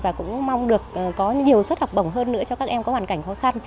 và cũng mong được có nhiều suất học bổng hơn nữa cho các em có hoàn cảnh khó khăn